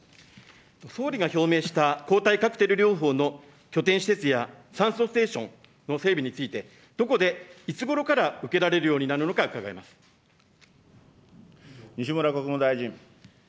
総理が表明した抗体カクテル療法の拠点施設や酸素ステーションの整備について、どこで、いつごろから受けられるようになるの西村国務大臣。